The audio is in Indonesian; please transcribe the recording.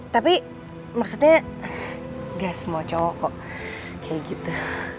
tapi maksudnya gak semua cowok kok kayak gitu